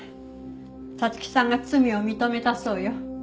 彩月さんが罪を認めたそうよ。